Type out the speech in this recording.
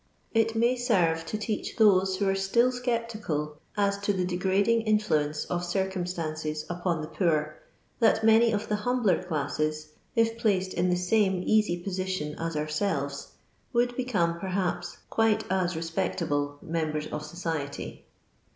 It may serve to teach those who are still sceptical as to the degrading influence of circum stancet upon the poor, that many of the humbler clasMi, it phMcd in the same easy position as our selres, woiild become, perhaps, quite as ''respect able msnben of society.